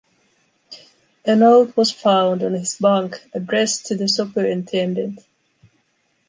A note was found on his bunk addressed to the superintendent.